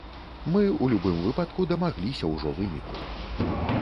Мы ў любым выпадку дамагліся ўжо выніку.